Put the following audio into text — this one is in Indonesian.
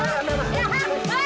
tidak tidak tidak